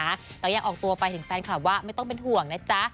แต่ยังออกตัวไปถึงแฟนคลับว่าไม่ต้องเป็นห่วงนะจ๊ะ